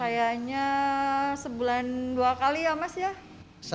kayaknya sebulan dua kali ya mas ya